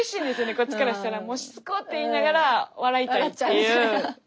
こっちからしたらもうしつこ！って言いながら笑いたいっていう感じです。